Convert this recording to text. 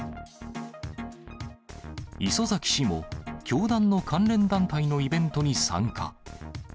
磯崎氏も教団の関連団体のイベントに参加。